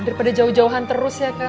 daripada jauh jauhan terus ya kak